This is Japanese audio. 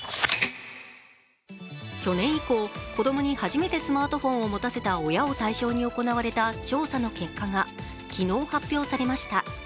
去年以降、子供に初めてスマートフォンを持たせた親を対象に行われた調査の結果が昨日発表されました。